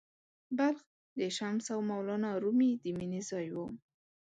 بلخ د “شمس او مولانا رومي” د مینې ځای و.